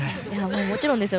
もちろんですよ。